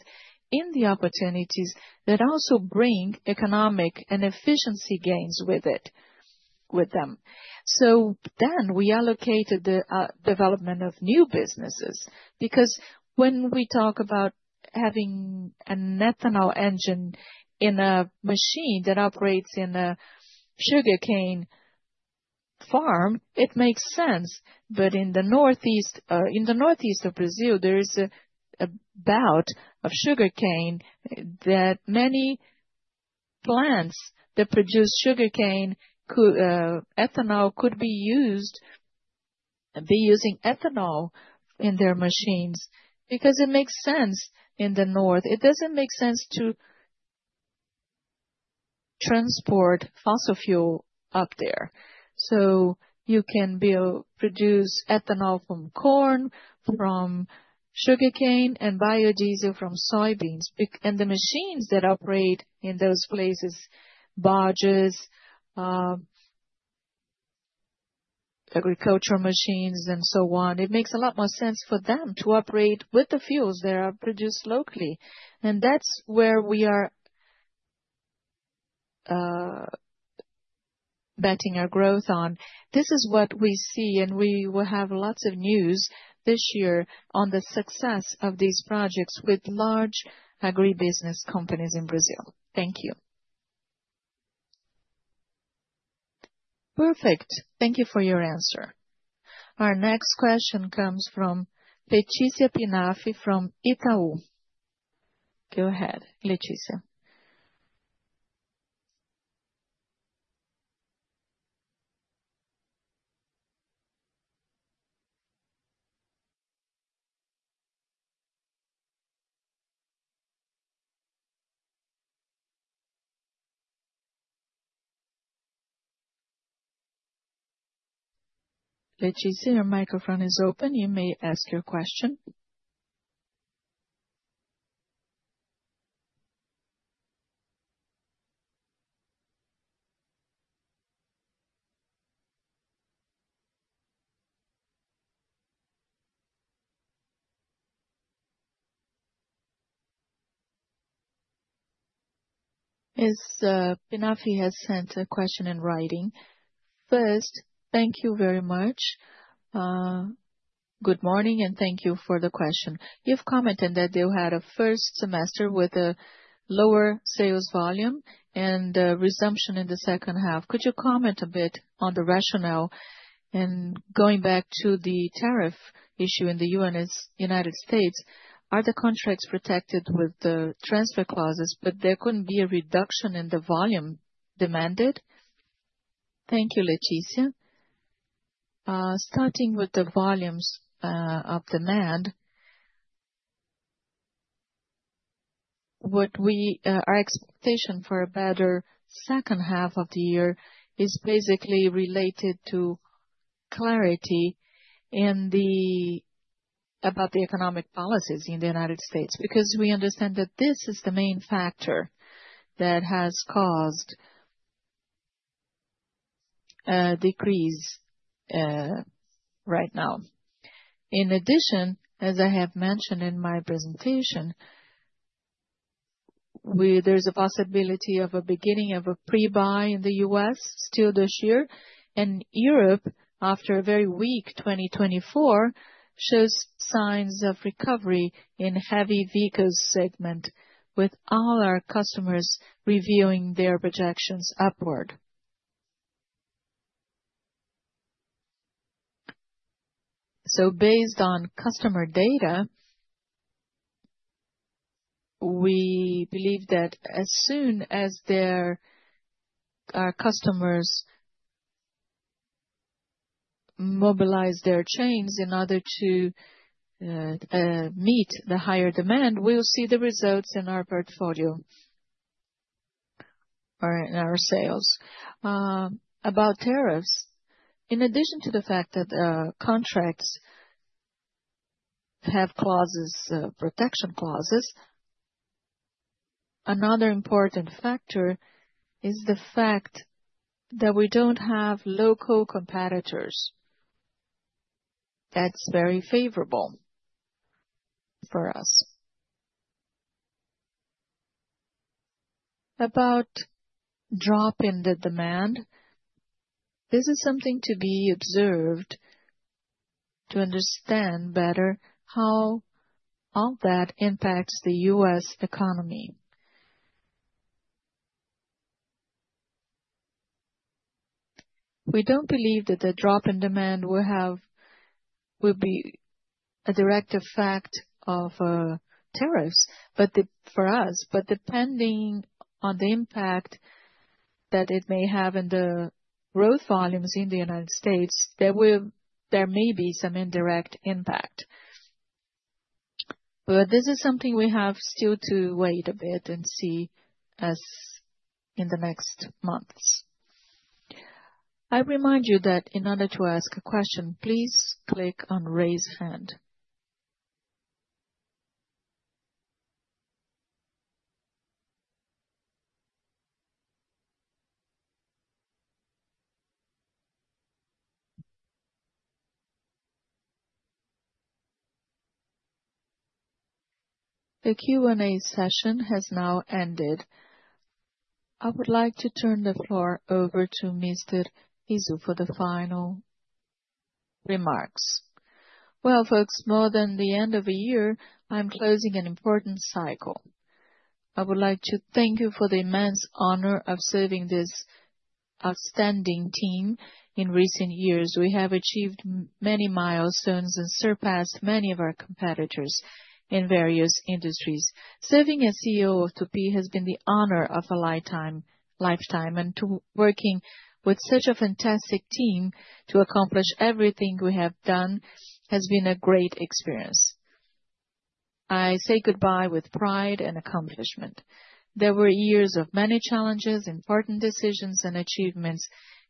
in the opportunities that also bring economic and efficiency gains with them. Then we allocated the development of new businesses because when we talk about having an ethanol engine in a machine that operates in a sugarcane farm, it makes sense. In the northeast of Brazil, there is a belt of sugarcane that many plants that produce sugarcane, ethanol, could be using ethanol in their machines because it makes sense in the north. It does not make sense to transport fossil fuel up there. You can produce ethanol from corn, from sugarcane, and biodiesel from soybeans. The machines that operate in those places, barges, agricultural machines, and so on, it makes a lot more sense for them to operate with the fuels that are produced locally. That is where we are betting our growth on. This is what we see, and we will have lots of news this year on the success of these projects with large agribusiness companies in Brazil. Thank you. Perfect. Thank you for your answer. Our next question comes from Letícia Pinaffe from Itaú. Go ahead, Letícia. Letícia, your microphone is open. You may ask your question. Ms. Pinaffe has sent a question in writing. First, thank you very much. Good morning, and thank you for the question. You've commented that they had a first semester with a lower sales volume and resumption in the second half. Could you comment a bit on the rationale? Going back to the tariff issue in the U.S., are the contracts protected with the transfer clauses, but there could not be a reduction in the volume demanded? Thank you, Letícia. Starting with the volumes of demand, our expectation for a better second half of the year is basically related to clarity about the economic policies in the United States because we understand that this is the main factor that has caused a decrease right now. In addition, as I have mentioned in my presentation, there's a possibility of a beginning of a pre-buy in the U.S. still this year. Europe, after a very weak 2024, shows signs of recovery in heavy vehicles segment, with all our customers reviewing their projections upward. Based on customer data, we believe that as soon as our customers mobilize their chains in order to meet the higher demand, we'll see the results in our portfolio or in our sales. About tariffs, in addition to the fact that contracts have protection clauses, another important factor is the fact that we don't have local competitors. That's very favorable for us. About drop in the demand, this is something to be observed to understand better how all that impacts the U.S. economy. We don't believe that the drop in demand will be a direct effect of tariffs for us, but depending on the impact that it may have in the growth volumes in the United States, there may be some indirect impact. This is something we have still to wait a bit and see in the next months. I remind you that in order to ask a question, please click on raise hand. The Q&A session has now ended. I would like to turn the floor over to Mr. Rizzo for the final remarks. More than the end of the year, I'm closing an important cycle. I would like to thank you for the immense honor of serving this outstanding team. In recent years, we have achieved many milestones and surpassed many of our competitors in various industries. Serving as CEO of Tupy has been the honor of a lifetime, and working with such a fantastic team to accomplish everything we have done has been a great experience. I say goodbye with pride and accomplishment. There were years of many challenges, important decisions, and achievements,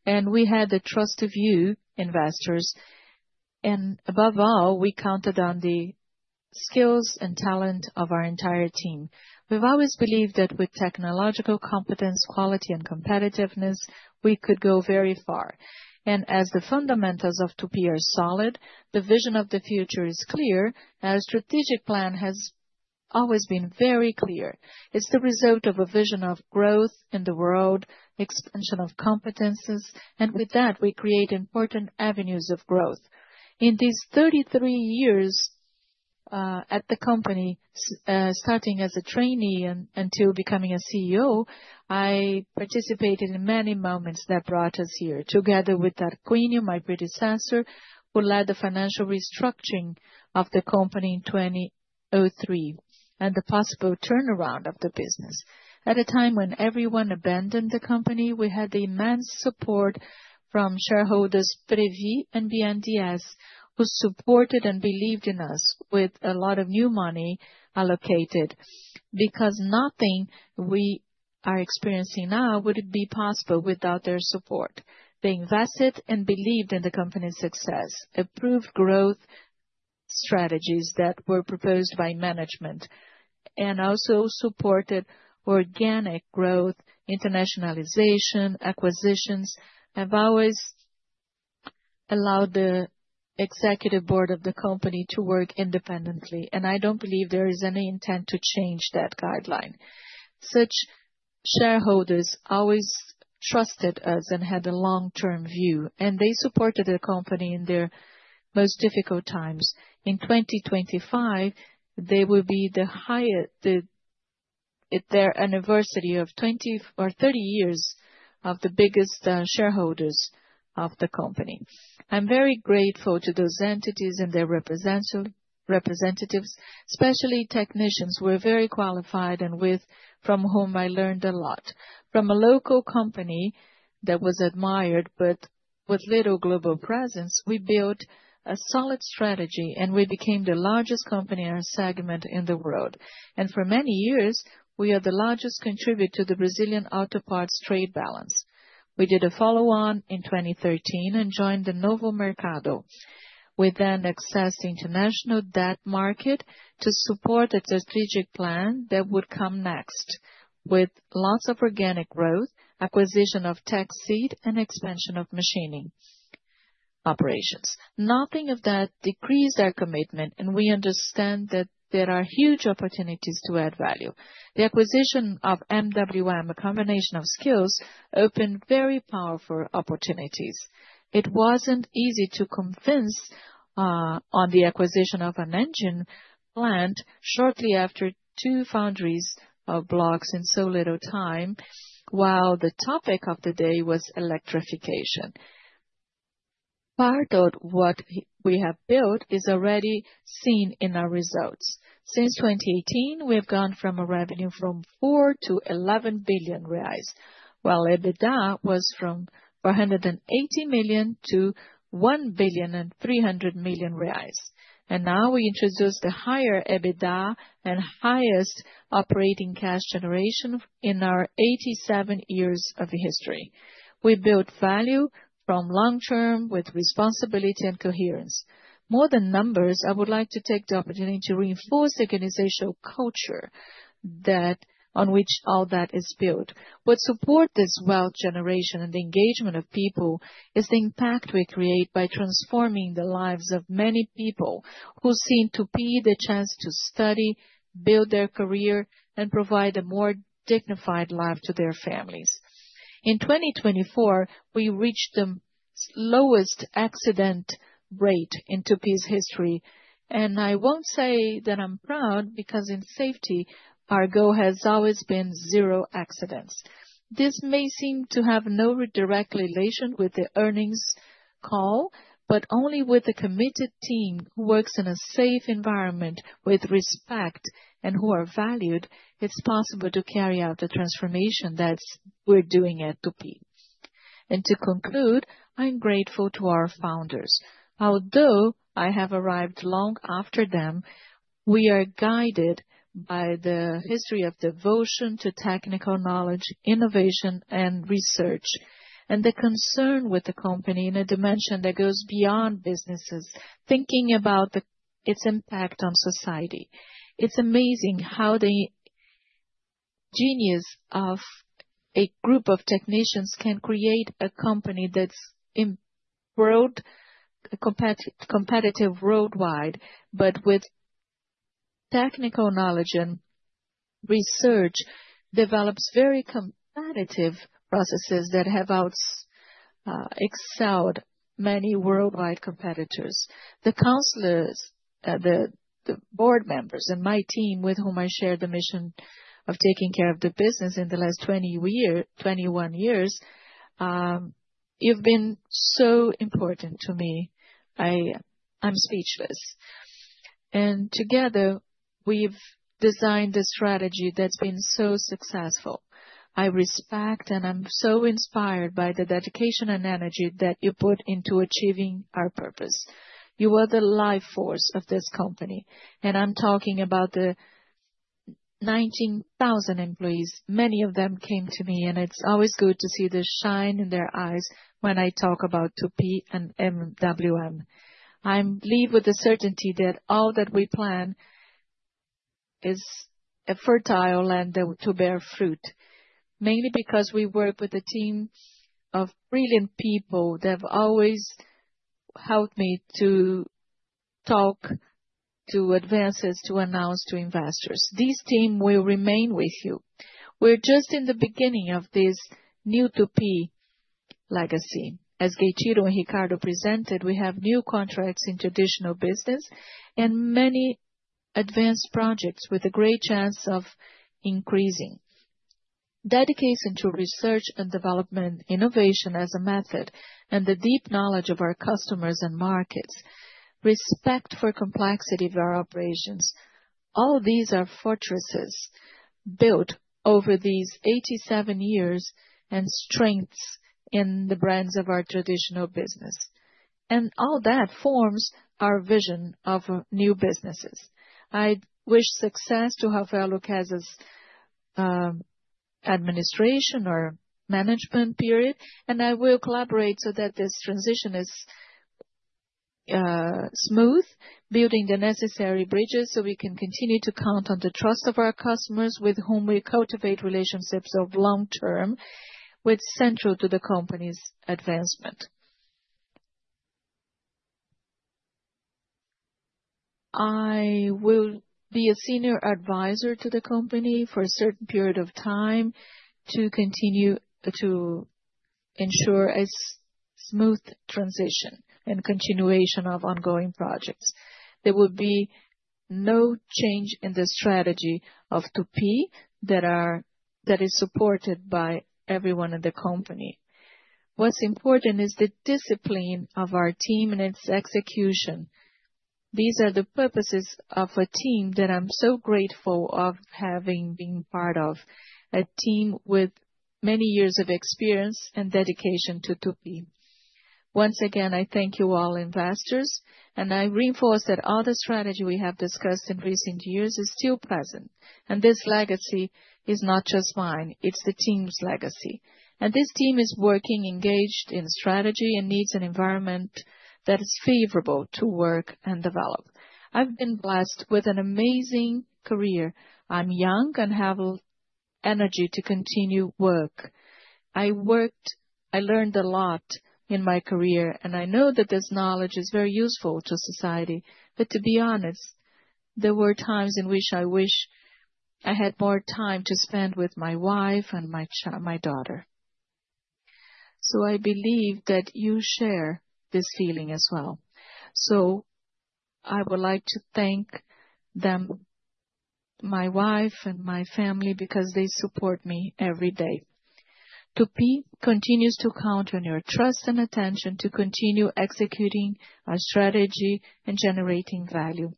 and we had the trust of you, investors. Above all, we counted on the skills and talent of our entire team. We've always believed that with technological competence, quality, and competitiveness, we could go very far. The fundamentals of Tupy are solid, the vision of the future is clear, and our strategic plan has always been very clear. It's the result of a vision of growth in the world, expansion of competencies, and with that, we create important avenues of growth. In these 33 years at the company, starting as a trainee until becoming a CEO, I participated in many moments that brought us here, together with Tarquinio, my predecessor, who led the financial restructuring of the company in 2003 and the possible turnaround of the business. At a time when everyone abandoned the company, we had the immense support from shareholders PREVI and BNDES, who supported and believed in us with a lot of new money allocated because nothing we are experiencing now would be possible without their support. They invested and believed in the company's success, approved growth strategies that were proposed by management, and also supported organic growth, internationalization, acquisitions, and have always allowed the executive board of the company to work independently. I don't believe there is any intent to change that guideline. Such shareholders always trusted us and had a long-term view, and they supported the company in their most difficult times. In 2025, it will be the anniversary of 30 years of the biggest shareholders of the company. I'm very grateful to those entities and their representatives, especially technicians, who are very qualified and from whom I learned a lot. From a local company that was admired but with little global presence, we built a solid strategy, and we became the largest company in our segment in the world. For many years, we are the largest contributor to the Brazilian auto parts trade balance. We did a follow-on in 2013 and joined the Novo Mercado. We accessed the international debt market to support a strategic plan that would come next with lots of organic growth, acquisition of Teksid, and expansion of machining operations. Nothing of that decreased our commitment, and we understand that there are huge opportunities to add value. The acquisition of MWM, a combination of skills, opened very powerful opportunities. It was not easy to convince on the acquisition of an engine plant shortly after two foundries of blocks in so little time, while the topic of the day was electrification. Part of what we have built is already seen in our results. Since 2018, we have gone from a revenue from 4 billion to 11 billion reais, while EBITDA was from 480 million to 1.3 billion. Now we introduce the higher EBITDA and highest operating cash generation in our 87 years of history. We built value from long-term with responsibility and coherence. More than numbers, I would like to take the opportunity to reinforce the organizational culture on which all that is built. What supports this wealth generation and the engagement of people is the impact we create by transforming the lives of many people who seem to be the chance to study, build their career, and provide a more dignified life to their families. In 2024, we reached the lowest accident rate in Tupy's history, and I won't say that I'm proud because in safety, our goal has always been zero accidents. This may seem to have no direct relation with the earnings call, but only with a committed team who works in a safe environment with respect and who are valued, it's possible to carry out the transformation that we're doing at Tupy. To conclude, I'm grateful to our founders. Although I have arrived long after them, we are guided by the history of devotion to technical knowledge, innovation, and research, and the concern with the company in a dimension that goes beyond businesses, thinking about its impact on society. It is amazing how the genius of a group of technicians can create a company that is competitive worldwide, but with technical knowledge and research, develops very competitive processes that have outselled many worldwide competitors. The counselors, the board members, and my team, with whom I share the mission of taking care of the business in the last 21 years, you have been so important to me. I am speechless. Together, we have designed a strategy that has been so successful. I respect and I am so inspired by the dedication and energy that you put into achieving our purpose. You are the life force of this company. I am talking about the 19,000 employees. Many of them came to me, and it's always good to see the shine in their eyes when I talk about Tupy and MWM. I believe with the certainty that all that we plan is fertile and to bear fruit, mainly because we work with a team of brilliant people that have always helped me to talk, to advances, to announce to investors. This team will remain with you. We're just in the beginning of this new Tupy legacy. As Gueitiro and Ricardo presented, we have new contracts in traditional business and many advanced projects with a great chance of increasing. Dedication to research and development, innovation as a method, and the deep knowledge of our customers and markets. Respect for complexity of our operations. All these are fortresses built over these 87 years and strengths in the brands of our traditional business. All that forms our vision of new businesses. I wish success to Uncertain's administration or management period, and I will collaborate so that this transition is smooth, building the necessary bridges so we can continue to count on the trust of our customers with whom we cultivate relationships of long term, which is central to the company's advancement. I will be a senior advisor to the company for a certain period of time to continue to ensure a smooth transition and continuation of ongoing projects. There will be no change in the strategy of Tupy that is supported by everyone in the company. What's important is the discipline of our team and its execution. These are the purposes of a team that I'm so grateful of having been part of, a team with many years of experience and dedication to Tupy. Once again, I thank you all, investors, and I reinforce that all the strategy we have discussed in recent years is still present. This legacy is not just mine. It's the team's legacy. This team is working, engaged in strategy, and needs an environment that is favorable to work and develop. I've been blessed with an amazing career. I'm young and have energy to continue work. I learned a lot in my career, and I know that this knowledge is very useful to society. To be honest, there were times in which I wish I had more time to spend with my wife and my daughter. I believe that you share this feeling as well. I would like to thank them, my wife and my family, because they support me every day. Tupy continues to count on your trust and attention to continue executing our strategy and generating value.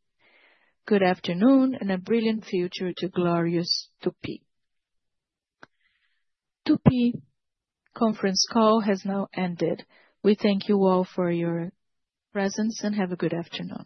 Good afternoon and a brilliant future to glorious Tupy. Tupy conference call has now ended. We thank you all for your presence and have a good afternoon.